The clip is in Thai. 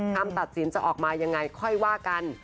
คำตัดสินจะออกมายังไงค่อยว่ากัน